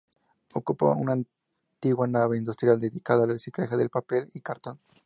Ocupa una antigua nave industrial dedicada al reciclaje de papel y cartón.